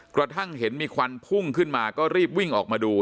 กระทั่งเห็นมีควันพุ่งขึ้นมาก็รีบวิ่งออกมาดู